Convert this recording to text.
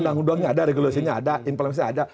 undang undangnya ada regulasinya ada implementasi ada